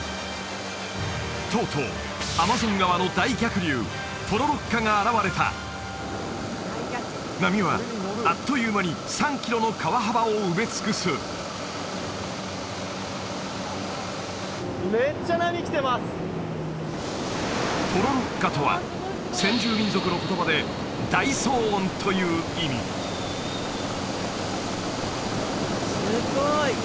とうとうが現れた波はあっという間に３キロの川幅を埋め尽くすポロロッカとは先住民族の言葉で「大騒音」という意味すごい！